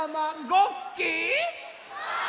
ごっき！